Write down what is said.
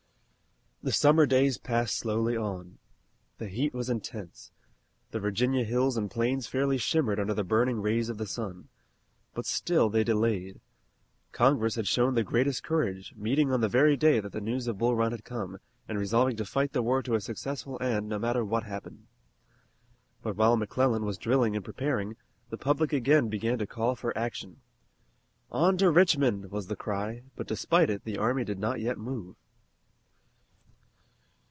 The summer days passed slowly on. The heat was intense. The Virginia hills and plains fairly shimmered under the burning rays of the sun. But still they delayed. Congress had shown the greatest courage, meeting on the very day that the news of Bull Run had come, and resolving to fight the war to a successful end, no matter what happened. But while McClellan was drilling and preparing, the public again began to call for action. "On to Richmond!" was the cry, but despite it the army did not yet move.